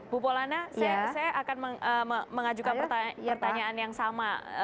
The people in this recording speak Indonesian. bu polana saya akan mengajukan pertanyaan yang sama